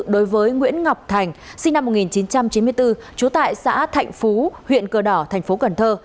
đối với nguyễn ngọc thành sinh năm một nghìn chín trăm chín mươi bốn trú tại xã thạnh phú huyện cờ đỏ thành phố cần thơ